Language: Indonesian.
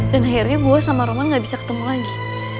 dan akhirnya gue sama roman gak bisa ketemu lagi